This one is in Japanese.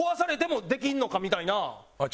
みたいな。